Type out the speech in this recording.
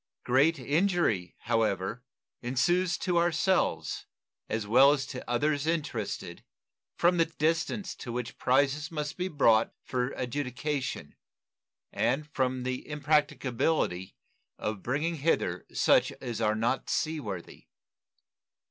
Great injury, however, ensues to ourselves, as well as to others interested, from the distance to which prizes must be brought for adjudication and from the impracticability of bringing hither such as are not sea worthy.